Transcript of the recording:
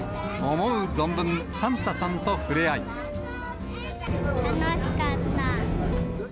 思う存分、サンタさんと触れ楽しかった。